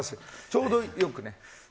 ちょうど良くね。